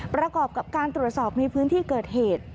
ประกอบกับการตรวจสอบในพื้นที่เกิดเหตุ